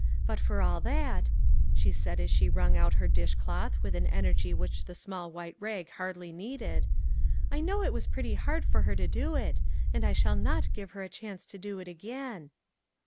But for all that," she added as she wrung out 7 O her dishcloth with an energy which the small white rag hardly needed, " I know it was pretty hard for her to do it, and I shall not give her a chance to do it again."